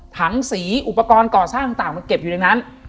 ถังสีอุปกรณ์ก่อสร้างต่างมันเก็บอยู่ในนั้น